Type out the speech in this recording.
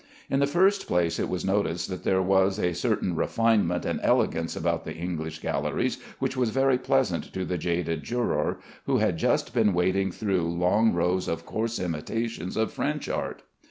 In the first place, it was noticed that there was a certain refinement and elegance about the English galleries which was very pleasant to the jaded juror who had just been wading through long rows of coarse imitations of French art.